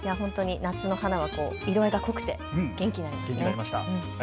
夏の花は色合いが濃くて元気になりますね。